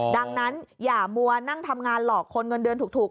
ดังนั้นอย่ามัวนั่งทำงานหลอกคนเงินเดือนถูก